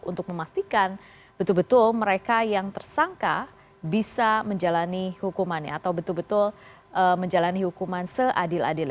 untuk memastikan betul betul mereka yang tersangka bisa menjalani hukumannya atau betul betul menjalani hukuman seadil adil